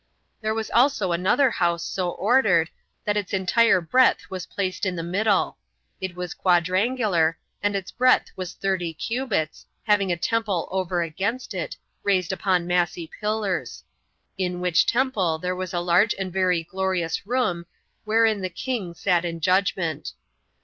There was also another house so ordered, that its entire breadth was placed in the middle; it was quadrangular, and its breadth was thirty cubits, having a temple over against it, raised upon massy pillars; in which temple there was a large and very glorious room, wherein the king sat in judgment.